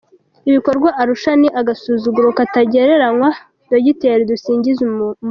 Ibikorwa Arusha ni agasuzuguro katagereranywa -dogiteri Dusingizemungu